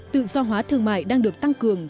tự do hóa thương mại đang được tăng cường